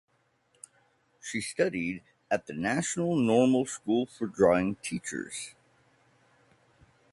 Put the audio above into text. She studied at the (National Normal School for Drawing Teachers).